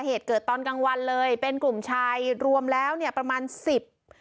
เหตุเกิดตอนกลางวันเลยเป็นกลุ่มชายรวมแล้วเนี่ยประมาณสิบ